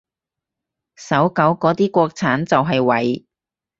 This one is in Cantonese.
搜狗嗰啲國產就係為